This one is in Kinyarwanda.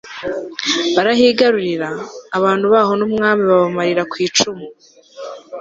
barahigarurira, abantu baho n'umwami babamarira ku icumu